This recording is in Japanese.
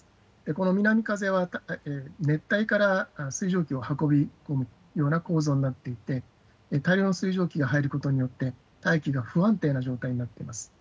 この南風は、熱帯から水蒸気を運び込むような構造になっていて、大量の水蒸気が入ることによって、大気の不安定な状態になっています。